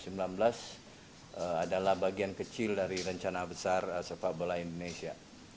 adalah bagian kecil dari rencana besar sepak bola indonesia